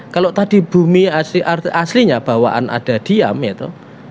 kalau tadi bumi aslinya bawaan ada diam itu